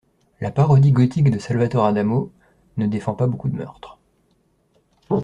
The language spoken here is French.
La parodie gothique de Salvatore Adamo ne défend pas beaucoup de meurtres.